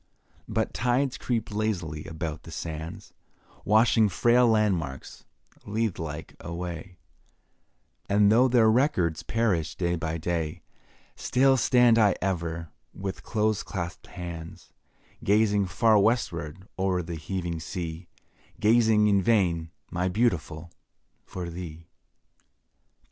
But tides creep lazily about the sands, Washing frail landmarks, Lethe like, away, And though their records perish day by day, Still stand I ever, with close claspèd hands, Gazing far westward o'er the heaving sea, Gazing in vain, my Beautiful, for thee.